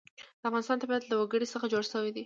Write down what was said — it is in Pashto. د افغانستان طبیعت له وګړي څخه جوړ شوی دی.